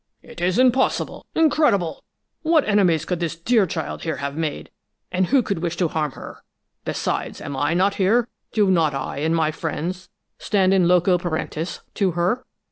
"It is impossible, incredible! What enemies could this dear child here have made, and who could wish to harm her? Besides, am I not here? Do not I and my friends stand in loco parentis to her?"